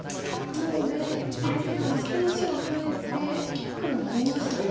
なのであっただ実戦は白ハネて黒ノビましたね。